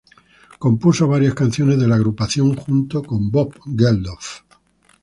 Compuso varias canciones de la agrupación junto con Bob Geldof.